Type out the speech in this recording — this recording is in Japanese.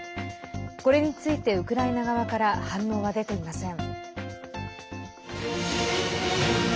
これについて、ウクライナ側から反応は出ていません。